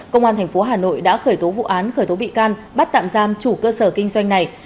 công an tp hà nội đã khởi tố vụ án khởi tố bị can bắt tạm giam chủ cơ sở kinh doanh này